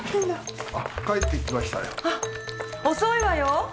あっ遅いわよ！